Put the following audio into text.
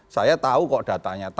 saya tahu kok datanya